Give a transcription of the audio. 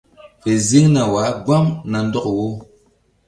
Fe ziŋna wah gbam na ndɔk wo.